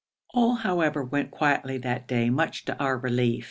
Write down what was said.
All, however, went quietly that day, much to our relief.